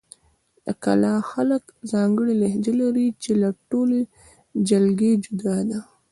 د کلاخ خلک ځانګړې لهجه لري، چې له ټولې جلګې جدا ده.